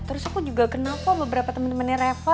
terus aku juga kenal kok beberapa temen temennya revo